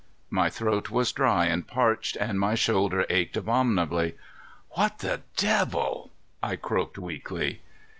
My throat was dry and parched, and my shoulder ached abominably. "What the devil?" I croaked weakly.